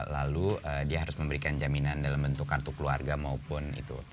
lalu dia harus memberikan jaminan dalam bentuk kartu keluarga maupun itu